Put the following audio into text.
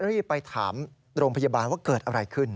รีบไปถามโรงพยาบาลว่าเกิดอะไรขึ้น